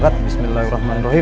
ya tuhan bismillahirrahmanirrahim